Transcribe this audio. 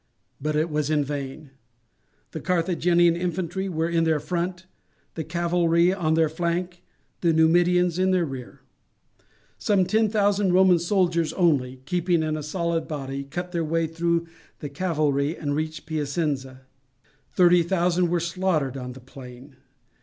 But it was in vain. The Carthaginian infantry were in their front, the cavalry on their flank, the Numidians in their rear. Some ten thousand Roman soldiers only, keeping in a solid body, cut their way through the cavalry and reached Piacenza. Thirty thousand were slaughtered on the plain.